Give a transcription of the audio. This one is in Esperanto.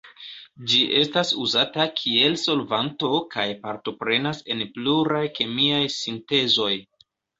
Ĝi estas uzata kiel solvanto kaj partoprenas en pluraj kemiaj sintezoj.